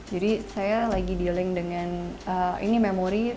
jadi saya lagi dealing dengan ini memori